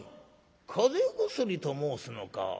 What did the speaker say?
風邪薬と申すのか。